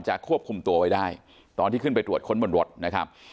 ควบคุมตัวไว้ได้ตอนที่ขึ้นไปตรวจค้นบนรถนะครับ